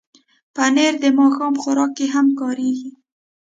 پنېر د ماښام خوراک کې هم کارېږي.